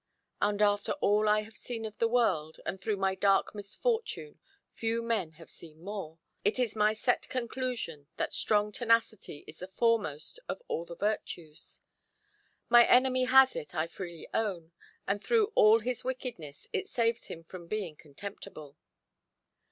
And after all I have seen of the world, and through my dark misfortune few men have seen more, it is my set conclusion that strong tenacity is the foremost of all the virtues. My enemy has it, I freely own, and through all his wickedness it saves him from being contemptible.